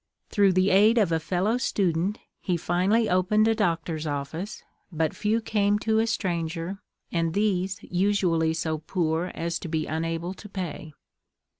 Through the aid of a fellow student, he finally opened a doctor's office, but few came to a stranger, and these usually so poor as to be unable to pay.